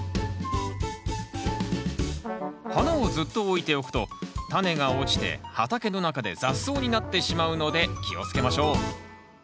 花をずっと置いておくとタネが落ちて畑の中で雑草になってしまうので気をつけましょう。